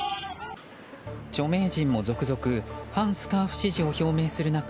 著名人も続々反スカーフ支持を表明する中